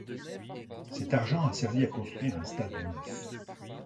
Cet argent a servi à construire un stade neuf.